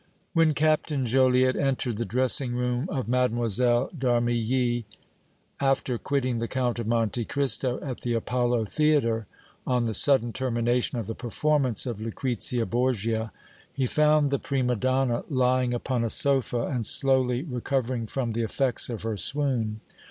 When Captain Joliette entered the dressing room of Mlle. d' Armilly, after quitting the Count of Monte Cristo at the Apollo Theatre on the sudden termination of the performance of "Lucrezia Borgia," he found the prima donna lying upon a sofa and slowly recovering from the effects of her swoon.